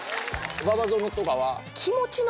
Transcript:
馬場園とかは？